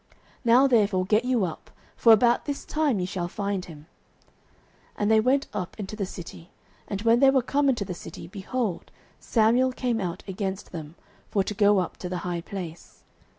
Now therefore get you up; for about this time ye shall find him. 09:009:014 And they went up into the city: and when they were come into the city, behold, Samuel came out against them, for to go up to the high place.